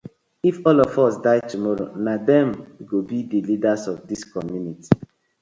If all of us die tomorrow, na dem go bi the leaders of dis community.